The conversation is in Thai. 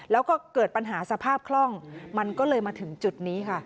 แล้วก็เกิดปัญหาสภาพคล่องมันก็เลยมาถึงจุดนี้ค่ะ